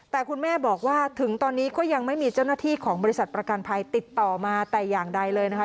แต่คุณแม่บอกว่าถึงตอนนี้ก็ยังไม่มีเจ้าหน้าที่ของบริษัทประกันภัยติดต่อมาแต่อย่างใดเลยนะคะ